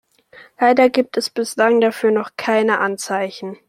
Leider gibt es bislang dafür noch keine Anzeichen.